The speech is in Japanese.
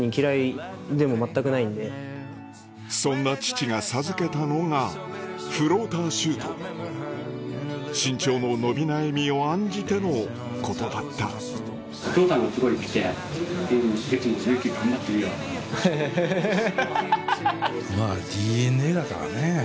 そんな父が授けたのがフローターシュート身長の伸び悩みを案じてのことだったヘヘヘハハハ。